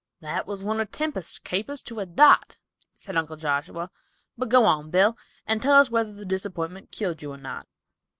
"That was one of Tempest's capers to a dot," said Uncle Joshua, "but go on, Bill, and tell us whether the disappointment killed you or not."